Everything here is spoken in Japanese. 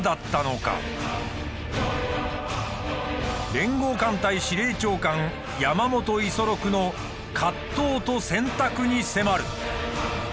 連合艦隊司令長官山本五十六の葛藤と選択に迫る。